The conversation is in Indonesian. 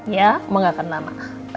ya oma gak akan lama